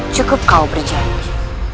cukup kau berjanji